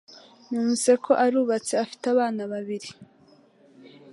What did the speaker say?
Numvise ko arubatse afite abana babiri